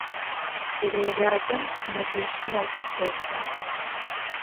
Ç'eleêğacem sımeceşım 'of şêş'e.